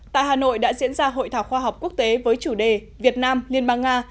tại hà nội đã diễn ra hội thảo khoa học quốc tế với chủ đề việt nam liên bang nga